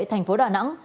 thành phố đà nẵng